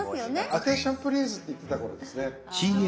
「アテンションプリーズ」って言ってた頃ですね。